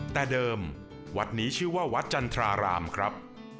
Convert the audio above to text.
แต่เดิมวัดนี้ชื่อว่าวัดจันทรารามครับ